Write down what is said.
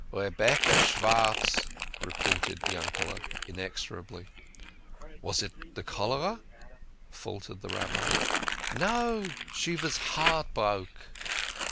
" Rebecca Schwartz," re peated Yankele" inexorably. "Was it the cholera?" faltered the Rabbi. " No, she vas heart broke."